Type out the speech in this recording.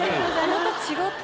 また違った。